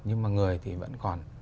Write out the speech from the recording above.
nhưng mà người thì vẫn còn